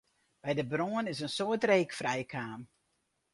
By de brân is in soad reek frijkaam.